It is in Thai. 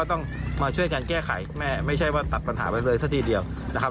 ต้องมาช่วยกันแก้ไขไม่ใช่ว่าตัดปัญหาไว้เลยซะทีเดียวนะครับ